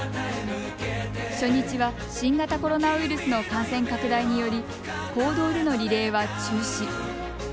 初日は新型コロナウイルスの感染拡大により公道でのリレーは中止。